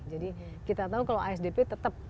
jadi kita tahu kalau asdp tetap bisa